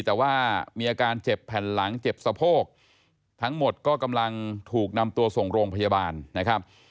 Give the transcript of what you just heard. แต่ว่ามีอาการเจ็บแผ่นหลังเจ็บสะโพกทั้งหมดก็กำลังถูกนำตัวส่งโรงพยาบาลนะครับ